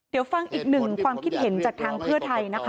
เดี๋ยวฟังอีกหนึ่งความคิดเห็นจากทางเพื่อไทยนะคะ